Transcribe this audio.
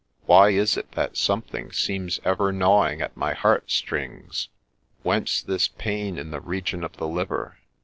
Why is it that something seems ever gnawing at my heart strings ?— Whence this pain in the region of the liver